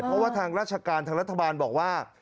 เพราะว่าทางราชการทางรัฐบาลบอกว่า